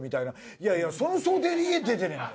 いやいやその想定で家出てねえんだよ！